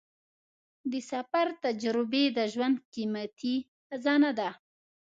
د سفر تجربې د ژوند قیمتي خزانه ده.